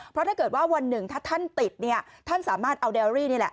เพราะถ้าเกิดว่าวันหนึ่งถ้าท่านติดเนี่ยท่านสามารถเอาแดรี่นี่แหละ